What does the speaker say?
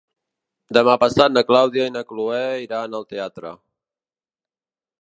Demà passat na Clàudia i na Cloè iran al teatre.